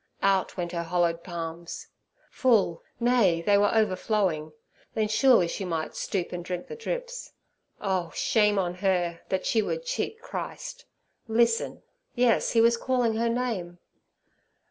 Out went her hollowed palms—full, nay, they were overflowing; then, surely, she might stoop and drink the drips. Oh, shame on her—she that would cheat Christ! Listen—yes, He was calling her name!